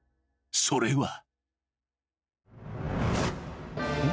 ［それは］